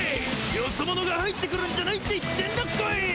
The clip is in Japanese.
ヨソ者が入ってくるんじゃないって言ってんだコイ！